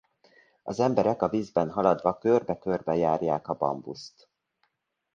Az emberek a vízben haladva körbe-körbe járják a bambuszt.